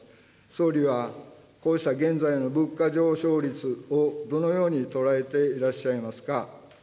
総理はこうした現在の物価上昇率をどのように捉えていらっしゃいますか。